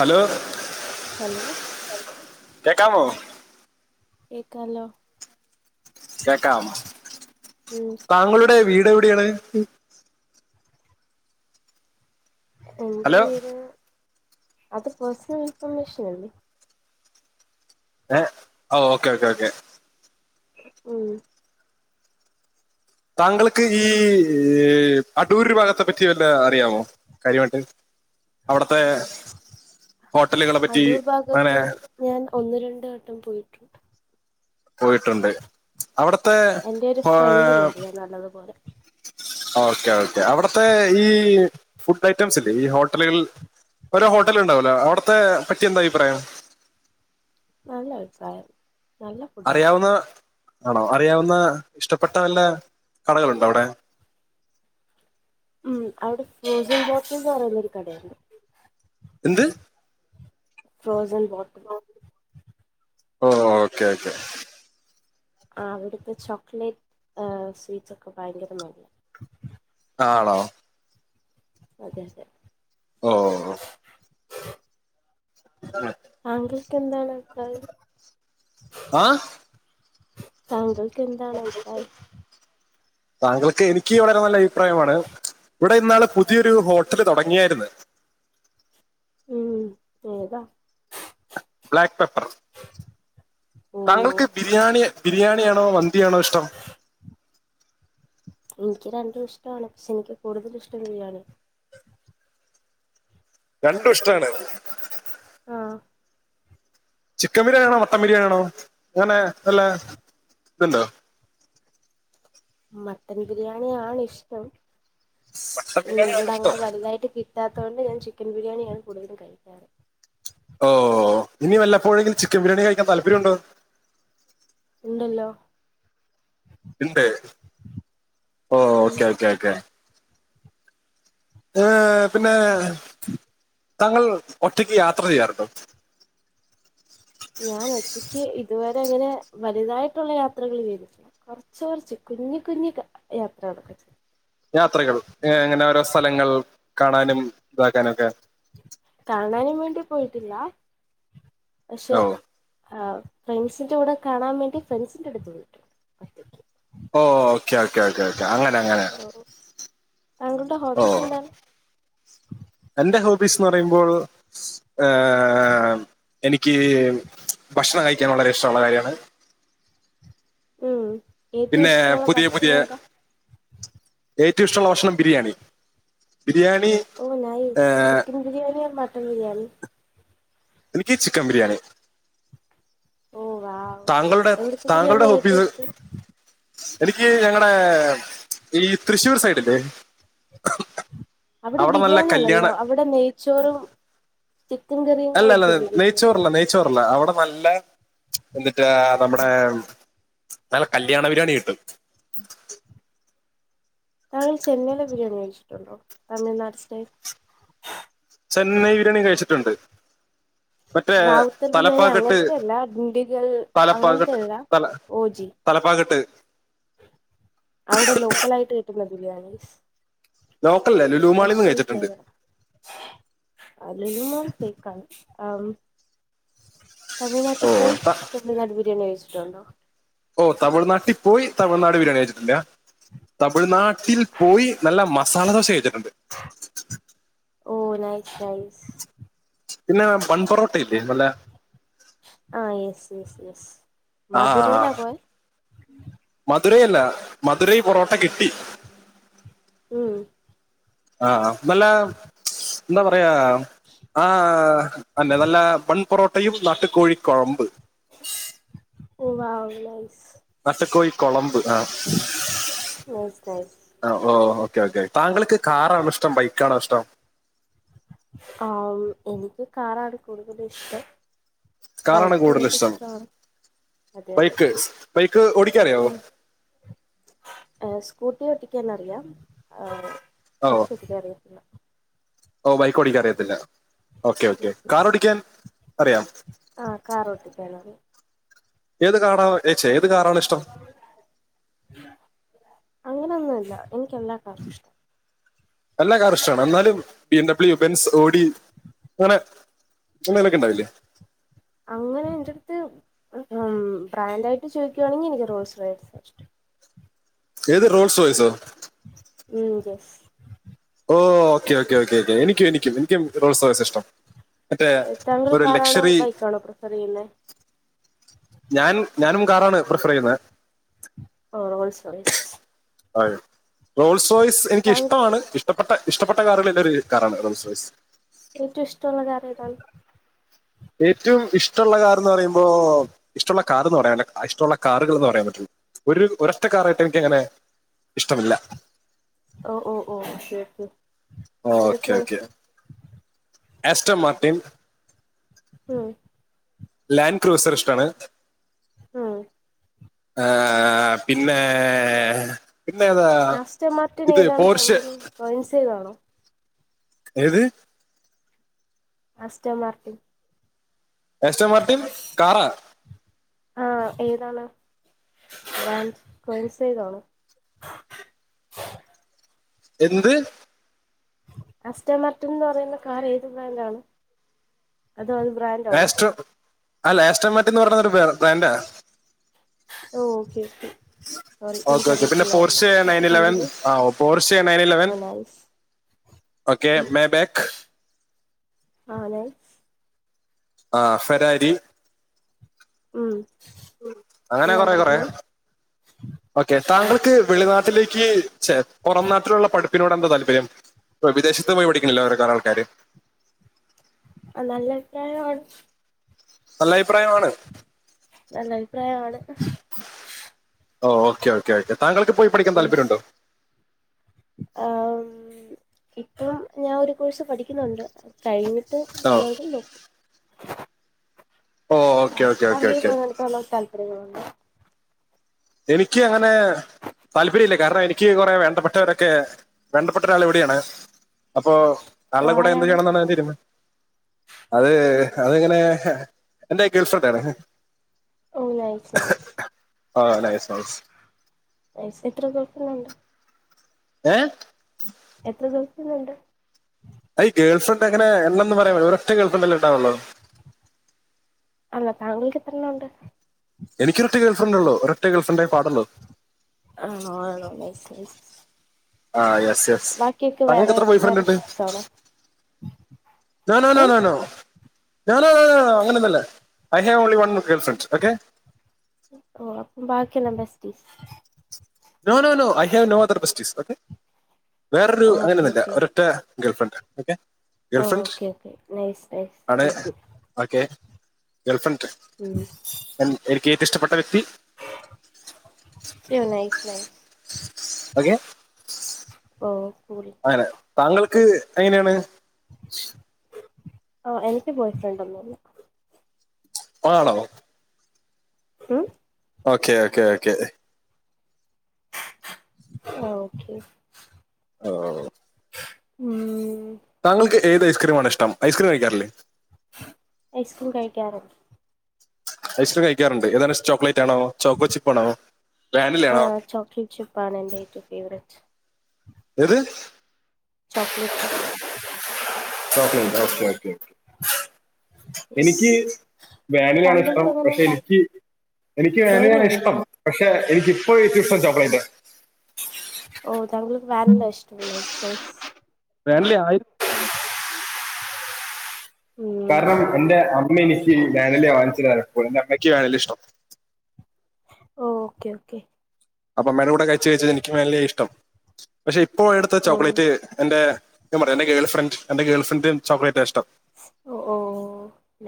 Hello hello കേക്കാമോ? കേക്കാലോ കേക്കാം ഉം കേക്കാം താങ്കളുടെ വീടെവിടേണ്? ഹലോ ! ! ! ! ! ! ! ഏ ഓഹ് ഓക്കേ, ഓക്കേ, ഓക്കെ. ഉം. താങ്കൾക്ക് ഈ അടൂര് ഭാഗത്തെ പറ്റി വല്ല അറിയാമോ? കാര്യമായിട്ട്? അവിടത്തെ ഹോട്ടലുകളെ പറ്റി അടൂർ അങ്ങനെ.. ഭാഗത്ത് ഞാൻ ഒന്ന് രണ്ട് വട്ടം പോയിട്ട്ണ്ട്. പോയിട്ടുണ്ട്. അവിടുത്തെ എന്റെ ഒരു ഏ ഫ്രണ്ടിന് അറിയാം നല്ലതുപോലെ ഓക്കെ ഓക്കെ. അവിടുത്തെ ഈ ഫുഡ് ഐറ്റംസ്ല്ലേ ഈ ഹോട്ടലുകൾ ഓരോ ഹോട്ടലുണ്ടാവുല്ലേ അവിടുത്തെ പറ്റി എന്താ അഇപ്രായം? നല്ല അഭിപ്രായം നല്ല ഫുഡാണ് അറിയാവുന്ന ആണോ അറിയാവുന്ന ഇഷ്ടപ്പെട്ട വല്ല കടകളുണ്ടവിടെ ഉം അവിടെ ഫ്രോസൺ ബോട്ടിൽന്ന് പറയുന്നരു കടയണ്ട് എന്ത് ഫ്രോസ്സൻ വാട്ടർ ഓഹ്, ഓക്കെ, ഓക്കെ ആ അവിടുത്തെ ചോക്ലേറ്റ് ഏഹ് സ്വീറ്റ്സൊക്കെ ഭയങ്കര മരി ടാണോ? അതെ, അതെ. ഓ [unintelligible] താങ്കൾക്ക് എന്താണെടുത്തത്? ആ താങ്കൾക്ക് എന്താണഭിപ്രായം? താങ്കൾക്ക് എനിക്ക് വളരെ നല്ല അഭിപ്രായമാണ് ഇവിടെ ഇന്നാള് പുതിയൊരു ഹോട്ടല് തുടങ്ങിയായിരുന്ന് ഉം, ഏതാ? ബ്ലാക്ക് പെപ്പർ ഓ താങ്കൾക്ക് ബിരിയാണി ബിരിയാണിയാണോ, മന്തിയാണോ ഇഷ്ടം? എനിയ്ക്ക് രണ്ടും ഇഷ്ടാണ്. ഷെ എനിയ്ക്ക് കൂടുതലിഷ്ടം ബിരിയാണിയാ. രണ്ടുഷ്ടാണ്. ആഹ് ചിക്കൻ ബിരിയാണി ആണോ മട്ടൻ ബിരിയാണിയാണോ അങ്ങനെ വല്ലതുണ്ടോ മട്ടൻ ബിരിയാണിഷ്ടം. മട്ടൻ പിന്നേ ബിരിയാണിയാണ് ഇഷ്ടം ഇവിടങ്ങനെ വലുതായിട്ട് കി ല്ലാത്തോണ്ട് ഞാൻ ചിക്കൻ ബിരിയാണിയാണ് കൂടുതലും കഴിക്കാറ്. ഓഹ് ഇനി വല്ലപ്പോഴെങ്കില് ചിക്കബിരിയാണി കഴിക്കാ താല്പര്യണ്ടോ? ഉണ്ടല്ലോ എന്തേ ഓഹ്, ഉം ഓക്കെ, ഓക്കെ, ഓക്കെ. ഏഹ് പിന്നെ താങ്കൾ ഒറ്റക്ക് യാത്ര ചെയ്യാറുണ്ടോ? ഞാൻ ഒറ്റയ്ക്ക് ഇതുവരെ അങ്ങനെ വലുതായിട്ടുള്ള യാത്രകൾ ചെയ്തിട്ടി കൊറ്ച്ചൊർച്ച്, കുഞ്ഞികുഞ്ഞി ക യാത്രകളൊക്കെ ചെയ്യും. യാത്രകൾ, എങ്ങനെ ഓരോ സലങ്ങൾ കാണാനും താക്കാനുംക്കെ. കാണാനും വേണ്ടി പോയിട്ടില്ല. പശെ ഓ ആഹ് ഫ്രണ്ട്സിന്റെ കൂടെ കാണാൻ വേണ്ടി ഫ്രണ്ട്സിൻ്റടുത്ത് പോയിട്ടു ഒറ്റക്ക്. ഓഹ് ഓക്കെ, ഓക്കെ, ഓക്കെ, ഓക്കെ. അങ്ങനെ അങ്ങനെ. താങ്കളുടെ ഹോബീസെന്താണ്? എൻ്റെ ഹോബീസ് പറയുമ്പോൾ ഏഹ് എനിക്ക് ഭക്ഷണം കഴിക്കാൻ വളരെ ഇഷ്ടള്ള കാര്യമാണ് മ് ഏറ്റൊഷ്ടള്ള ഭക്ഷണേതാ? ഏറ്റവു ഇഷ്ടള്ള ഭക്ഷണം ബിരിയാണി. ബിരിയാണീ ഓഹ് nice chicken biryani or mutton biryani. ഇനിക്ക് ചിക്കബിരിയാണി. ഓ വാ താങ്കളുടെ താങ്കളുടെ ഹോബീസ്. എനിക്ക് ഞങ്ങടെ ഈ തൃശ്ശൂർ സൈഡില് അവിടെ നല്ല ബിരിയാണി അല്ലല്ലോ, കല്യാണ അവിടെ നെയ്ച്ചോറും ചിക്കൻ കറിയും കയ്ച്ചല്ലേ വരുന്നേ. ചോറല്ല, അവട നല്ല എന്തിട്ടാ നമ്മുടേ നല്ല കല്ല്യാണ ബിരിയാണി കിട്ടും. താങ്കൾ ചെന്നൈലെ ബിരിയാണി കഴിച്ചിട്ടുണ്ടോ? തമിഴ്നാട് സ്റ്റൈൽ? ചെന്നൈ ബിരിയാണി കഴിച്ചിട്ട്ണ്ട്. മറ്റേ റാവുത്തർ ബിരിയാണി തലപ്പാകെട്ട്, അങ്ങനത്തെ അല്ല ഡിണ്ടിഗൽ തലപ്പാകെട്ട്. അങ്ങനത്തെയല്ല തല ഓജി തലപ്പ കെട്ട് അവിടെ ലോക്കലായിട്ട് കിട്ടുന്ന ബിരിയാണിസ് ലോക്കൽല്ല ലൂലുമാളീന്ന് കഴിച്ചിട്ട്ണ്ട്. അല്ലെങ്കില് ഫൈക്കാണ് ആം. തമിഴ്നാട്ടി ഓ പോയി ത- തമിഴ്നാട് ബിരിയാണി കഴിച്ചിട്ടുണ്ടോ? ഓ തമിഴ്നാട്ടിൽ പോയി തമിഴ്നാട് ബിരിയാണി കഴിച്ചിട്ടില്ല തമിഴ്നാട്ടിൽ പോയി നല്ല മ സാല ദോശ കയ്ച്ചിട്ടുണ്ട്. ഓഹ്, നൈസ്, നൈസ് പിന്നേ, ബൺ പൊറോട്ട ഇല്ലേ നല്ല ആഹ്, യെസ് യെസ് യെസ്. ആ ആ ആ മധുരയിലാ പോയെ മധുരയെല്ല മധുരൈ പൊറോട്ട കെട്ടി. ഉം ആഹ് ആഹ് നല്ല എന്താ പറയാ ആ അന്നെ നല്ലെ ബ പൊറോട്ടയും, നാട്ടു കോഴിക്കൊഴമ്പ്. ഓഹ് വാവ് നെയിസ്. അച്ചക്കോഴ കുളമ്പ് ആ നൈസ്, നൈസ്. ആഹ്, ഓ ഓക്കേ, ഓക്കെ താങ്കൾക്ക് കാറാണോ ഷ്ടം ബൈക്കാണോ ഷ്ടം? ആ എനിക്ക് കാറാണ് കൂടുതലിഷ്ടം കാറാണ് ബൈക്ക് കൂടുതൽ ഇഷ്ടം എനിക്കിഷ്ടാണ്. അതെ, അതെ ബൈക്ക് ബൈക്ക് ഓടിക്കാറിയാവോ ഉം. ഏ സ്കൂട്ടി ഓട്ടിക്കാനറിയാം. ആ ഓ ബൈക്ക് ഓട്ടിക്കാൻ അറിയത്തില്ല. ഓ ബൈക്ക് ഓടിയ്ക്കാൻ അറിയത്തില്ല. Okay, okay. കാറോടിയ്ക്കാൻ അറിയാ ആഹ് കാറോട്ടിപ്പേയാല്. ഏത് കാറാണ് ഏ ച്ചെ ഏത് കാറാണ് ഇഷ്ടം? അങ്ങനൊന്നുല്ല. എനിയ്ക്ക് എല്ലാ കാറുഷ്ടാ. എല്ലാ കാറുഷ്ടാണ്. എന്നാലും B M W, Benz, Audi, അങ്ങനെ ങ്ങനെലൊക്കെണ്ടാവില്ലേ? അങ്ങനെ ന്റെട്ത്ത് ഉം ബ്രാൻഡായിട്ട് ചോയിക്കാണെങ്കി നിക്ക് റോൾസ് റോയ്സ് ആ ഷ്ടം. ഏത് റോൾസ് റോയ്സോ? ഉം, യെസ്. ഓ ഓക്കെ ഓക്കേ ഓക്കെ ഓക്കെ എനിക്കും എനിക്കും എനിക്കും റോൾ സോയ്സ ഇഷ്ടം. മറ്റേ ഏ താങ്കൾ ഒരു കാറാണോ ലക്ഷറി ബൈക്കാണോ പ്രിഫറെയ്യുന്നെ? ഞാൻ ഞാനും കാറാണ് പ്രിഫറെയ്യുന്നെ. ഓ റോൾസ് റോയിസ്. ആ റോൾസോയിസ് താങ്കൾ എനിക്കിഷ്ടമാണ്. ടപ്പെട്ടെ ഇഷ്ടപ്പെട്ടെ കാറേളിൽ ഒര് കാറാണ് റോൾസ് റോയ്സ്. ഏറ്റവുഷ്ടള്ള കറ്യേതാണ്? ഏറ്റവും ഇഷ്ടള്ള കാറ്ന്ന് പറയുമ്പോ ഇഷ്ടള്ള കാറ്ന്ന് പറയാല്ല. ഇഷ്ടള്ള കാറുകൾ എന്ന് പറയാൻ പറ്റുള്ളൂ. ഒരു ഒരൊറ്റക്കാറായിട്ട് എനിക്കങ്ങനെ ഇഷ്ടമില്ല ഓ ഓ ഓ ശർട്ട ഓക്കെ ഓക്കെ ആസ്റ്റ മാർട്ടൻ ഉം ലാൻ ക്രൂസർഷ്ടാണ്. ആഹ ഏഹേ പിന്നെ ഏഹേ പിന്നേതാ ഇത് പോർഷ്യ വൺസേവാണോ. ഏത്? മാസ്റ്റർ മാർട്ടിംഗ എസ്റ്റേ മർട്ടിൻ കാറോ ആ ഏതാണ് ബൻ കോയിൻസ് ഏതണോ എന്ത്? അസ്റ്റമർട്ടൻ എന്ന് പറയുന്ന കാർ ഏത് ബ്രാൻഡാണ്. അതോ [unintelligible] ലാസ്ടോ ആഹാ ലേസ്റ്റോമാറ്റ്ന്ന് പറഞ്ഞൊരു ബ്രാൻഡാ ഓക്കെ ക്കെ ഓക്കെ ഓക്കെ പിന്നെ പോർഷ നൈൻ ഇലവൻ കണ്ടിന്യൂ ആ പോർഷ നൈൻ ഇലവൻ ഓ നൈസ് ഓക്കെ മേ ബെക് ആ നൈസ് ആ ഫരാരി ഉം അങ്ങനെ കൊറെ കൊറെ ലാംബോർഗിനി ഓക്കെ കൊള്ളാം താങ്കൾക്ക് ഓ വെളിനാട്ടിലേക്ക് ഛെ പുറം നാട്ടിലുള്ള പഠിപ്പിനോട് എന്താ താല്പര്യം വിദേശത്ത് പോയി പഠിക്കുന്നില്ലോഓരോല ആൾക്കാര് ആഹ് നല്ലഭിപ്രായാണ്. നല്ലഭിപ്രായമാണ് നല്ലഭിപ്രായമാണ് ഓ ഓക്കെ ഓക്കെ ഓക്കെ താങ്കൾക്ക് പോയി പഠിക്കാൻ എസ് താല്പര്യമുണ്ടോ ആ ഇപ്പം ഞാൻ ഒരു കോഴ്സ് പഠിക്കുന്നുണ്ട് അത് കഴിഞ്ഞു ട്ട് ഓ എലൗടല്ലോ ഓ ഓക്കെ ആഹ ഓക്കെ ഓക്കെ ഓക്കെ താങ്കക്ക്ക്ക് എോ താല്പര്യ ങ്ങൾ ഉണ്ടൊ എനിക്ക് അങ്ങനെ താല്പര്യ ഇല്ലേ കാരണം എനിക്ക് കുറെ വേണ്ടപ്പെട്ടവരൊക്കെ വേണ്ടപ്പെട്ട ഒരാള് ഇവിടെയാണ് അപ്പോ ര ഓ ആൾടെകൂടെ എന്ത് ആരാണ് ചെയ്യണെന്നാണ് തീര്മാനം അത് അതങ്ങനെ എന്റെ ഗേൾഫ്രണ്ടായിരുന്നു. ഓ നൈസ് നൈസ് ആ നൈസ് നൈസ് വയസ്സ് എത്ര ഗേൾ ഫ്രണ്ടിന്നുണ്ട് ഏ എത്ര ദിവസത്തിന്നുണ്ട് അയ് ഗേൾ ഫ്രണ്ടങ്ങനെ എണ്ണന്ന് പറയാ ഒരൊറ്റ ഗേൾ ഫ്രണ്ടല്ലേണ്ടാവൊള്ളൂ. അല്ല താങ്കൾക്കെത്രണ്ണൊണ്ട്? എനിക്കൊരറ്റ ഗേൾ ഫ്രണ്ടൊള്ളു ഒരൊറ്റ ഗേൾഫ്രണ്ടേ പാടൊള്ളു. ആണോണോ നൈസ് ആ യെസ് യെസ് ബാക്കിയൊക്കെ അങ്ങേക്ക് വേറെ എത്ര ബോയ് ഫ്രണ്ട് വേറെ ഉണ്ട് ഷിപ്സ് ആണോ നൊ നോ ഏ നോ നോ ഞാന് അങ്ങനൊന്നല്ല I have only one girl friends okay? ഓ ബാക്കി എലം besties no no no I have no other ബസ്റ്റീസ്ഓക്കെ വേറൊരു ഓക്കെ അങ്ങനെയന്നുല്ല. ഒരറ്റ ഗേൾഫ്രണ്ട് ഓക്കെ. ആ girlfriend okay okay nice nice ആണ് good good okay girl friend ഉം എ എനിക്ക്റ്റ ഇഷ്ടപ്പെട്ട വ്യക്തി [unintelligible] ലയ്സ് അഓക്കെ ഹോ സോറി അങ്ങനെ താങ്കൾക്ക് എങ്ങനെയാണ് ആ എനിക്ക് ബോയ് ഫ്രണ്ട് ഒന്നുംല്ല ആണോ ഉം ഓക്കെ ഓക്കെ ഓക്കെ ഉം [unintelligible] ഓക്കെ ഓഓ ഉംഹ് താങ്കൾക്ക് ഏത് ഐസ്ക്രീമാണ് ഇഷ്ടം ഐസ്‌ക്രീ കഴിക്കാറില്ലേ ഐസ്ക്രൂം കഴിക്കാറ് ഐസ്ക്രീം കഴിക്കാറുണ്ട് ഏതാണിശ്ടം ചോക്ലേറ്റാണോ, ചോക്കോ ചിപ്പാണോ, വേനിലയാണോ? ചോക്ലറ്റ്ഷി പാണ് എൻ് ടു ഫേവററ്റ്സ് എത് chocolate ചെപ്പ് [unintelligible] okay okay okay yes എനിക്ക് വേനിലയാണിഷ്ടം താങ്കൾക്ക് അങ്ങനെ പക്ഷെ എനിക്ക് എനിക്ക് വാനിലയാണ് തേങ്ങയോ ഇഷ്ടം പക്ഷെ എനിക്ക്പ്പോ ഏറ്റവും ഇഷ്ടം ചോക്ലെറ്റ്ആണ് ഓ തങ്കക്ക് വൻല്ല ഇഷ്ടം നൈസ് നൈസ് ഫാമില്ല്യായി ഉം കാരണം എന്റെ അമ്മനിക്ക് വേനലി വാങ്ങിച്ചതപ്പോൾ എന്റെ അമ്മയ്ക്ക് വേണലിഷ്ട്ടം ഓ ഓക്കെ ഓക്കേ അപ്പ അമ്മേഡെ കൂടെ കഴിച്ച് കഴിച്ച് എനിക്ക് മെയ്ൻലി അയിഷ്ടം പക്ഷെ ഇപ്പോ ഇട്ത്ത ഓ ചോക്ലേറ്റ് എന്റെ സത്യം പറ എന്റെ ഗേൾ ഫ്രണ്ട് എന്റെ ഗേൾ്രണ്ട് ചോക്ലെറ്റ് ഇഷ്ടം ഓ ഓ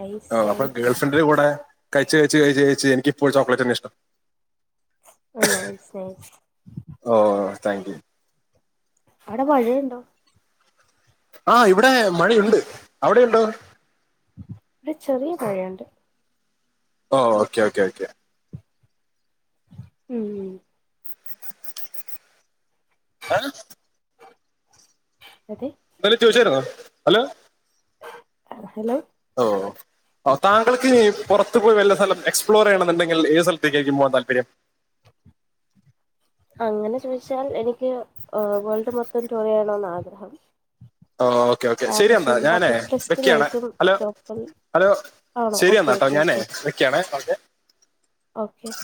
നൈസ് അപ്പൊ നൈസ് ഗേൾഫ്രിന്റെ കൂടെ കഴിച്ച് കഴിച്ച് കഴിച്ച കഴിച്ച് എനിക്ക്പ്പോ ചോക്ലേറ്റ് തന്നെ ഇഷ്ടം നയിസ് നയിസ് ഓഓ താങ്ക് യൂ അവിടെ മഴയുണ്ടോ ആ ഇവിടെ മഴയുണ്ട് അവിടെയുണ്ടോ ഒരു ചെറിയ പഴംയണ്ട്. ഓഹോ ഓക്കെ ഓക്കെ ഓക്കെ ഉം ആൽ അത് എന്തേലും ചോദിച്ചായിരുന്നോ ഹലോ ഹലോ ഹോ താങ്കൾക്ക് പുറത്ത് പോയി വല്ല സ്ഥലം എക്സ്പ്ളോർ ചെയ്യണന്നുണ്ടങ്കിൽ ഏ സ്ഥലത്തേക്കു പോകാൻ താല്പര്യം അങ്ങനെ ചോദിച്ചാൽ എനിക്ക് വേൾഡ് മൊത്തം ടോറിയന്ന് ആഗ്രഹം ഓ ഓക്കെ ഓക്കെ ആ പക്ഷെ ശെരിയന്നാ എന്റെ ഞാനേ ബക്കറ്റ് ലിസ്റ്റിൽ വെക്കാണേ ഏറ്റവും ഹലോ ടോപ്പിൽ ഹലോ? ആണോ ഓക്കെ ശെരിയെന്നാട്ടോ ഓക്കെ ഞാനേ ഓക്കെ വെക്കാണേ ഓക്കെ